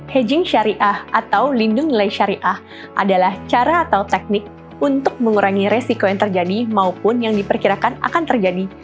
hedging syariah atau lindung nilai syariah adalah cara atau teknik untuk mengurangi resiko yang terjadi maupun yang diperkirakan akan terjadi